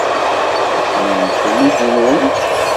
Isem-nnes umidi-nwen?